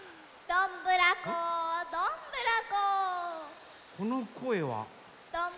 ・どんぶらこどんぶらこ。